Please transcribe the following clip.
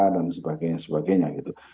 dan sebagainya sebagainya gitu